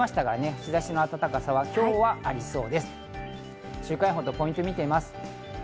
日差しの暖かさは今日はありそう